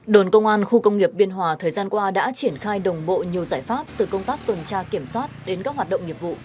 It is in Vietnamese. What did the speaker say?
đồn công an khu công nghiệp biên hòa thời gian qua đã triển khai đồng bộ nhiều giải pháp từ công tác tuần tra kiểm soát đến các hoạt động nghiệp vụ